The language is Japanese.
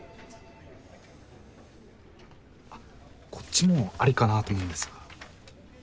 あこっちもアリかなと思うんですが。